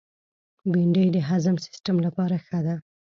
بېنډۍ د هضم سیستم لپاره ښه ده